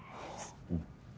うん。